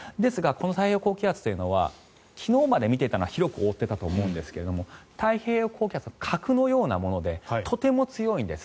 この太平洋高気圧というのは昨日まで見ていたのは広く覆っていたと思うんですが太平洋高気圧の核のようなものでとても強いんです。